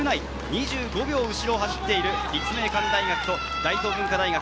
２５秒後ろを走っている立命館大学と大東文化大学。